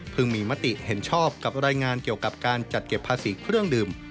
มีมติเห็นชอบกับรายงานเกี่ยวกับการจัดเก็บภาษีเครื่องดื่ม